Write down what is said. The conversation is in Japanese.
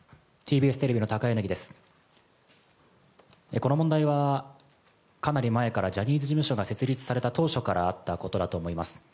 この問題はかなり前からジャニーズ事務所が設立された当初からあったことだと思います。